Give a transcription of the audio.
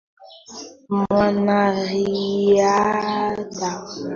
mwanariadha huyo alikataa mapendekezo ya madaktari